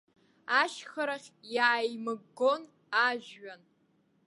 Ашьхарахь иааимыггон ажәҩан.